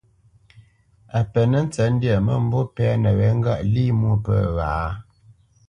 A penə́ ntsətndyâ, mə̂mbû pɛ́nə wé ŋgâʼ lî mwô pə̂ wǎ?